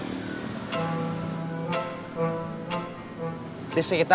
saya mau cari minum dulu